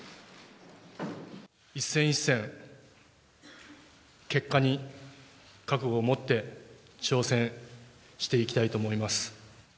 一戦一戦、結果に覚悟を持って、挑戦していきたいと思います。